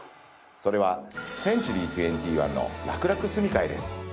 それはセンチュリー２１のらくらく住み替えです。